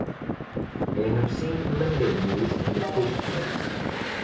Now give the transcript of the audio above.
They have seen limited use in the fish trade.